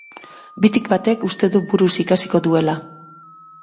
Bitik batek uste du buruz ikasiko duela.